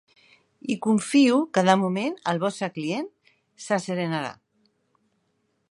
I confio que de moment el vostre client s'asserenarà.